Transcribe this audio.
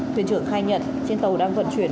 thuyền trưởng khai nhận trên tàu đang vận chuyển